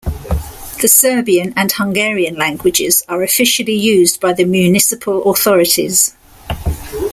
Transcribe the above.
The Serbian and Hungarian languages are officially used by the municipal authorities.